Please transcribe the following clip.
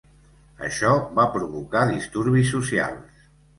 Això va provocar disturbis socials.